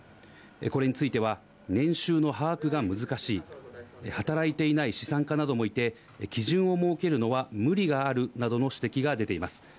これについては、年収の把握が難しい、働いていない資産家などもいて、基準を設けるのは無理があるなどの指摘が出ています。